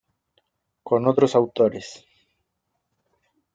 Con otros autores